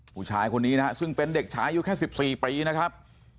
ผู้ชายคนนี้นะฮะซึ่งเป็นเด็กชายุแค่๑๔ปีนะครับ